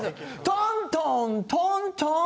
トントントントン。